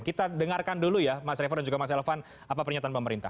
kita dengarkan dulu ya mas revo dan juga mas elvan apa pernyataan pemerintah